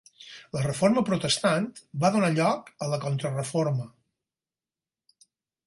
La reforma protestant va donar lloc a la Contrareforma.